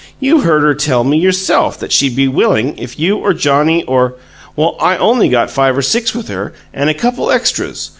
You heard her tell me, yourself, that she'd be willing if you or Johnnie or " "Well, I only got five or six with her, and a couple extras.